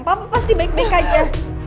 papa pasti baik baik aja